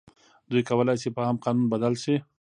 دوی کولای شي په عام قانون بدل شي.